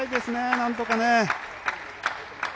なんとかね。